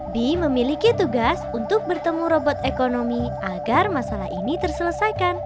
bi memiliki tugas untuk bertemu robot ekonomi agar masalah ini terselesaikan